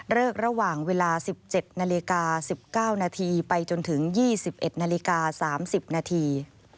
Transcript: ระหว่างเวลา๑๗นาฬิกา๑๙นาทีไปจนถึง๒๑นาฬิกา๓๐นาที